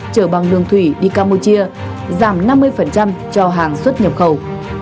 chở bằng đường thủy đi campuchia giảm năm mươi cho hàng xuất nhập khẩu